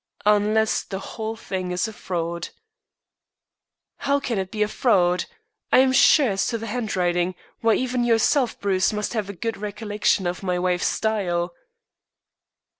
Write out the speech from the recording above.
"Unless the whole thing is a fraud." "How can it be a fraud? I am sure as to the handwriting. Why, even yourself, Bruce, must have a good recollection of my wife's style."